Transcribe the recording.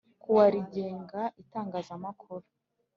Kuwa rigenga itangazamakuru